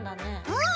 うん。